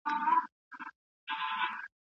څومره بدرنګ ښکاري،